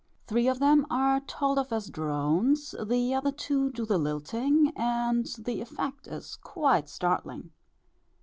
Three of them are told of as drones, the other two do the lilting, and the effect is quite startling.